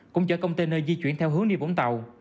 cũng chở container di chuyển theo hướng đi vũng tàu